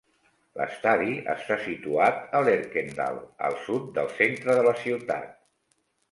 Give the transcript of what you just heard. L'estadi està situat a Lerkendal, al sud del centre de la ciutat.